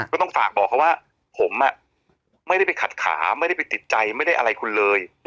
ก็ต้องฝากบอกเขาว่าผมไม่ได้ไปขัดขาไม่ได้ไปติดใจไม่ได้อะไรคุณเลย